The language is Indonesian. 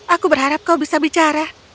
aku berharap kau bisa bicara